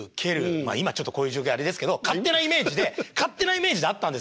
まあ今こういう状況あれですけど勝手なイメージで勝手なイメージであったんですよ。